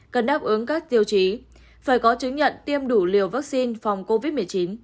cần đáp ứng các tiêu chí phải có chứng nhận tiêm đủ liều vaccine phòng covid một mươi chín